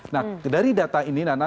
nah dari data ini nana